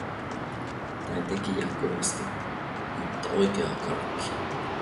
Tai teki ja kovasti, mutta oikeaa karkkia.